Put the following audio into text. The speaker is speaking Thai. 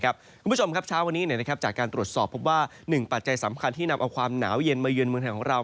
คุณผู้ชมครับเช้าวันนี้จากการตรวจสอบพบว่าหนึ่งปัจจัยสำคัญที่นำเอาความหนาวเย็นมาเยือนเมืองไทยของเรา